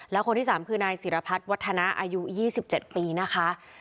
และคนที่๓คือนายศิรพัฒน์วัฒนะอายุ๒๗ปีนะคะ